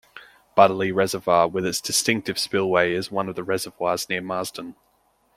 Butterley Reservoir with its distinctive spillway is one of the reservoirs near Marsden.